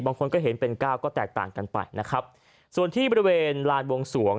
บางคนก็เห็นเป็นเก้าก็แตกต่างกันไปนะครับส่วนที่บริเวณลานวงสวง